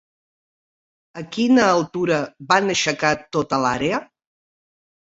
A quina altura van aixecar tota l'àrea?